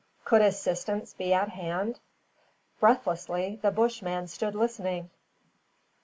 Could assistance be at hand? Breathlessly the Bushman stood listening.